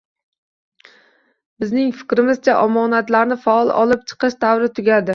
Bizning fikrimizcha, omonatlarni faol olib chiqish davri tugadi